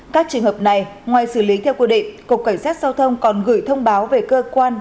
các trường hợp này ngoài xử lý theo quy định cục cảnh sát giao thông còn gửi thông báo về cơ quan